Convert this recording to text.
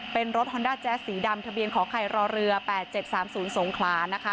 เป็นรถฮอนด้าแจ๊สสีดำทะเบียนขอไข่รอเรือแปดเจ็ดสามศูนย์สงขลานะคะ